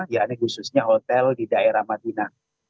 yakni khususnya hotel di daerah madinah